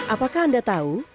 apakah anda tahu